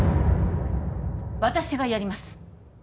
私がやります